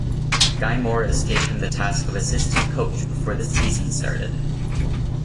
Guy Morriss gave him the task of assistant coach before the season started.